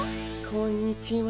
こんにちは。